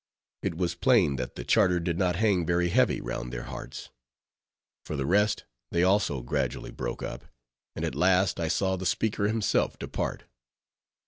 It was plain that the Charter did not hang very heavy round their hearts. For the rest, they also gradually broke up; and at last I saw the speaker himself depart.